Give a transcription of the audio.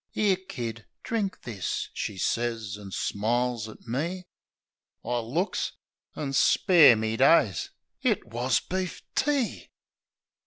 " 'Ere, Kid, drink this," she sez, an' smiles at me. I looks — an' spare me days ! It wus beef tea!